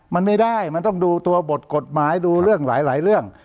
มันไม่ได้มันต้องดูตัวบทกฎหมายดูเรื่องหลายเรื่อง